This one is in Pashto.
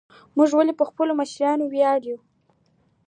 موږ ولې په خپلو مشرانو ویاړو؟